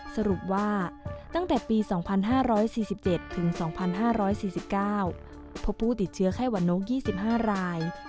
สรุปว่าตั้งแต่ปี๒๕๔๗ถึง๒๕๔๙พบผู้ติดเชื้อไข้หวัดนก๒๕ราย